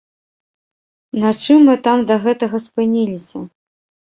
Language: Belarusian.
На чым мы там да гэтага спыніліся?